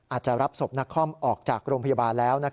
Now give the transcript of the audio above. อาจจะรับศพนักคอมออกจากโรงพยาบาลแล้ว